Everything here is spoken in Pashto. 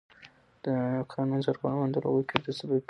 د قانون سرغړونه د لغوه کېدو سبب ګرځي.